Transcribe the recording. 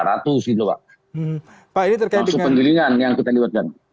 langsung pendidikan yang kita dibuatkan